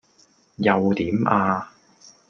又點呀?